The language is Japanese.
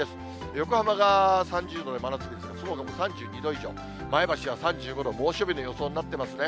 横浜が３０度で真夏日で、そのほかも３２度以上、前橋は３５度、猛暑日の予想になってますね。